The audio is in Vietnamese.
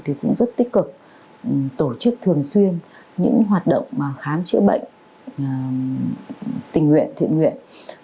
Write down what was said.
thì cũng rất tích cực tổ chức thường xuyên những hoạt động khám chữa bệnh tình nguyện thiện nguyện